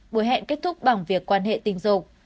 buổi hẹn kết thúc bằng việc quan hệ tình dục